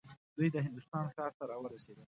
دوی د هندوستان ښار ته راورسېدل.